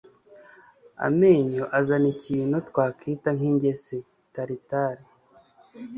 amenyo azana ikintu twakwita nk'ingese tartare